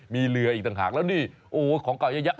มีเรืออีกต่างหากแล้วนี่โอ้ของเก่าเยอะแยะ